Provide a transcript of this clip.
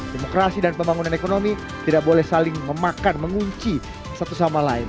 demokrasi dan pembangunan ekonomi tidak boleh saling memakan mengunci satu sama lain